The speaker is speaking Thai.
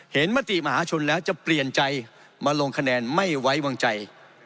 มติมหาชนแล้วจะเปลี่ยนใจมาลงคะแนนไม่ไว้วางใจ